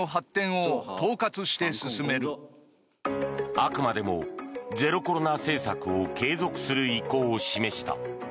あくまでもゼロコロナ政策を継続する意向を示した。